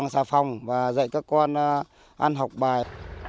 các con ăn học bài